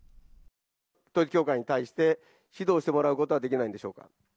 統一教会に対して指導してもらうことはできないんでしょうか。